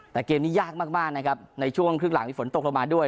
แต่เกมนี้ยากมากนะครับในช่วงครึ่งหลังมีฝนตกลงมาด้วย